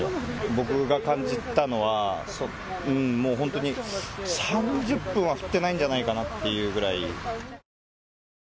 僕が感じたのは本当に３０分は降っていないんじゃないかなというぐらい。